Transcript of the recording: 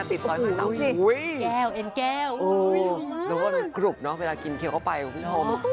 อุ้ยแก้วเอ็นแก้วอุ้ยมากแล้วก็กรุบเนอะเวลากินเข้าก็ไปคุณผู้ชม